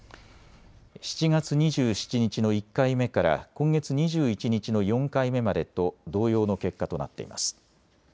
７月２７日の１回目から今月２１日の４回目までと同様の結果となっています。